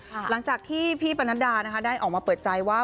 หลังจากที่พี่ปนัดดานะคะได้ออกมาเปิดใจว่า